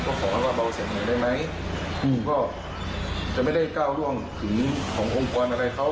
ก็ขอให้ว่าเบาเสียงหนึ่งได้ไหมอืมก็จะไม่ได้ก้าวร่วงถึงขององค์กรอะไรเขา